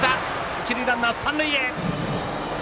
一塁ランナーは三塁へ。